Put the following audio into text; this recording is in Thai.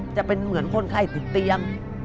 จะเป็นเหมือนคนไข้ติดเตียง